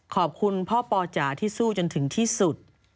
ขอบคุณพ่อปอจ๋าที่สู้จนถึงที่สุด